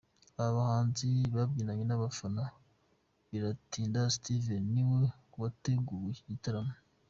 Aba bahanzi babyinanye n'abafana biratindaSteven niwe wateguye iki gitaramo.